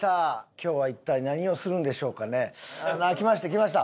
今日は一体何をするんでしょうかね？来ました来ました。